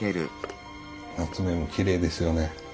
棗もきれいですよね。